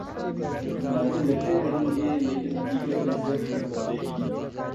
نعرے لگتے رہیں گے لیکن حقیقت ان سے نہیں بدلے گی۔